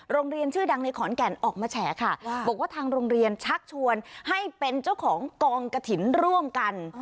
โรงเรียนชื่อดังในขอนแก่นออกมาแฉค่ะบอกว่าทางโรงเรียนชักชวนให้เป็นเจ้าของกองกระถิ่นร่วมกัน